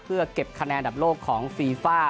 เพื่อเก็บคะแนนอันดับโลกของฟีฟ่า